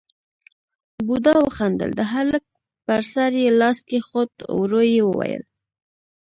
بوډا وخندل، د هلک پر سر يې لاس کېښود، ورو يې وويل: